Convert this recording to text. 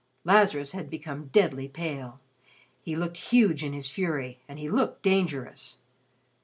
Lazarus had become deadly pale. He looked huge in his fury, and he looked dangerous.